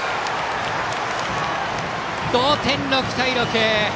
同点、６対６。